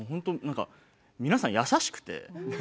皆さん優しくて。